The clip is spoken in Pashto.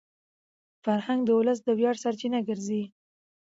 فرهنګ د ولس د ویاړ سرچینه ګرځي.